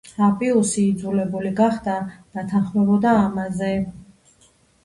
აპიუსი იძულებული გახდა დათანხმებოდა ამაზე.